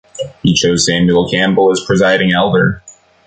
He chose Samuel Campbell as presiding elder.